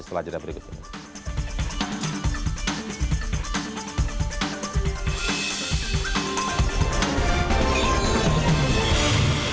setelah jadwal berikut ini